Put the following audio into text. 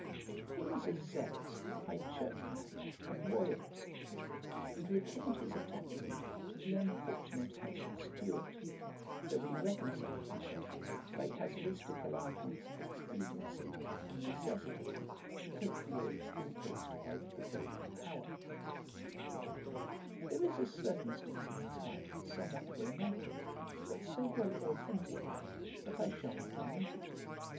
He was a zealous high church man and royalist, and retained his attachment to the unfortunate house of Stuart, though he reconciled himself, by casuistical arguments of expediency and necessity, to take the oaths imposed by the prevailing power. [Page 37: An incident in his life. A.D. 1709] There is a circumstance in his life somewhat romantick, but so well authenticated, that I shall not omit it.